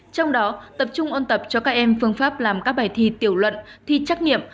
trong đó tập trung ôn tập cho các em phương pháp làm các bài thi tiểu luận thi trắc nghiệm